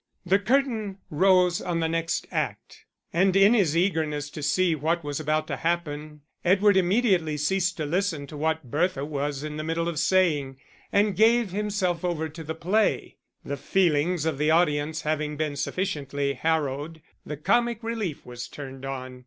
The curtain rose on the next act, and in his eagerness to see what was about to happen, Edward immediately ceased to listen to what Bertha was in the middle of saying, and gave himself over to the play. The feelings of the audience having been sufficiently harrowed, the comic relief was turned on.